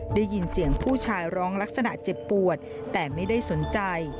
ได้ยินเสียงผู้ชายร้องลักษณะเจ็บปวดแต่ไม่ได้สนใจ